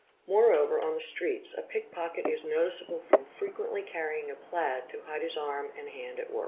; Moreover on the streets a pickpocket is noticeable from frequently carry ing a plaid to hide his arm and hand at work.